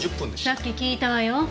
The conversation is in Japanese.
さっき聞いたわよ。